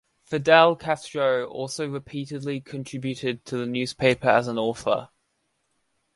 Fidel Castro also repeatedly contributed to the newspaper as an author.